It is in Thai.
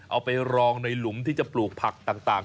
เอาไปรองในหลุมที่จะปลูกผักต่าง